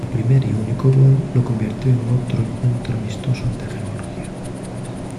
Su primer y único gol lo convirtió en otro encuentro amistoso ante Georgia.